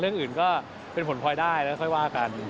เรื่องอื่นก็เป็นผลพลอยได้แล้วค่อยว่ากัน